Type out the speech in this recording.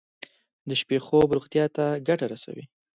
د شپې خوب روغتیا ته ګټه رسوي.